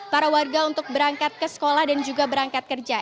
para warga untuk berangkat ke sekolah dan juga berangkat kerja